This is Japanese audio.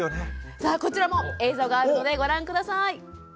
さあこちらも映像があるのでご覧下さい。